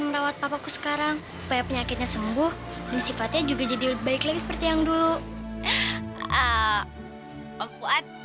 merawat papaku sekarang banyak penyakitnya sembuh dan sifatnya juga jadi baik lagi seperti yang dulu